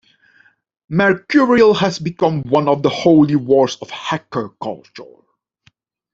Mercurial has become one of the holy wars of hacker culture.